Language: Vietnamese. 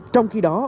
trong khi đó